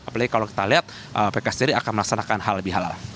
apalagi kalau kita lihat pks sendiri akan melaksanakan hal lebih halal